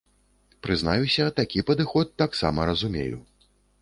Прызнаюся, такі падыход таксама разумею.